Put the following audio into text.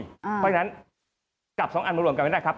เพราะฉะนั้นกลับ๒อันมารวมกันไม่ได้ครับ